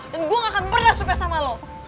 dan gue gak akan pernah suka sama lo